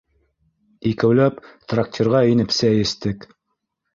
Икәүләп трактирға инеп сәй эстек.